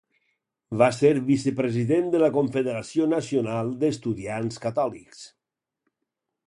Va ser vicepresident de la Confederació Nacional d'Estudiants Catòlics.